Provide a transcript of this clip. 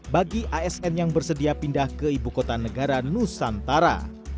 bagi asn yang bersedia pindah ke ibu kota negara nusantara